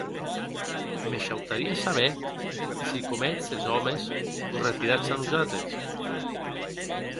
Me shautarie saber se com ètz es òmes, vos retiratz a nosates?